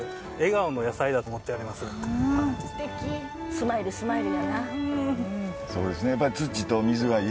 スマイルスマイルやな。